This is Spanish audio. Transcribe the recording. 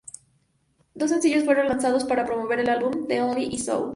Dos sencillos fueron lanzados para promover el álbum, ""The Only"" y ""So"".